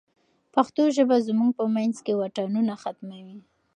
پښتو ژبه زموږ په منځ کې واټنونه ختموي.